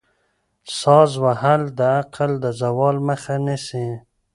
ساز وهل د عقل د زوال مخه نیسي.